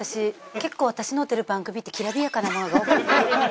結構私の出る番組ってきらびやかなものが多くて。